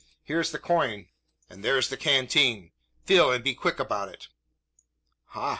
Here's the coin, and there's the canteen. Fill, and be quick about it!" "Ha!